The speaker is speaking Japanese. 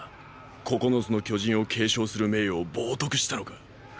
「九つの巨人」を継承する名誉を冒とくしたのか？！